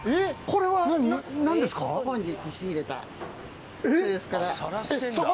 これは何ですか？